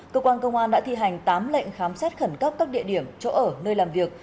cơ quan công an đã thi hành tám lệnh khám xét khẩn cấp các địa điểm chỗ ở nơi làm việc